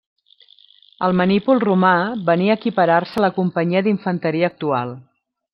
El manípul romà venia a equiparar-se a la companyia d'infanteria actual.